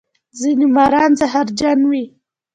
ځینې ماران زهرجن وي